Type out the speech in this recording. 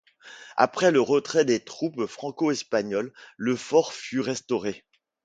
Après le retrait des troupes franco-espagnoles, le fort fut restauré.